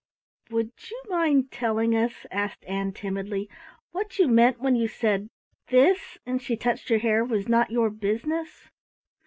"Would you mind telling us," asked Ann timidly, "what you meant when you said this" and she touched her hair "was not your business?"